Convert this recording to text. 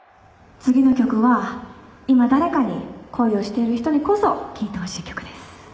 次の曲は今誰かに恋をしている人にこそ聴いてほしい曲です。